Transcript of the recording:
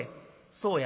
「そうや。